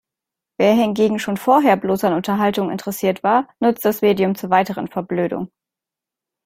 Wer hingegen schon vorher bloß an Unterhaltung interessiert war, nutzt das Medium zur weiteren Verblödung.